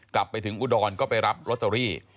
กลับไปถึงอุดรก็ไปรับลอตเตอรี่